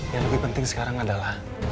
yang lebih penting sekarang adalah